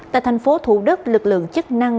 tại thành phố thủ đức lực lượng chức năng